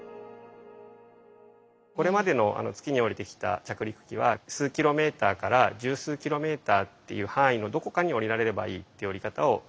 これまでの月に降りてきた着陸機は数キロメーター１０数キロメーターっていう範囲のどこかに降りられればいいっていう降り方をしてきていました。